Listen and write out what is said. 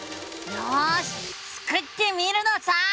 よしスクってみるのさ！